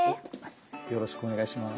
よろしくお願いします。